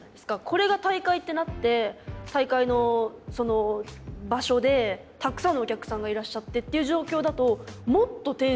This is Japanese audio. これが大会ってなって大会の場所でたくさんのお客さんがいらっしゃってっていう状況だともっとテンション気持ち。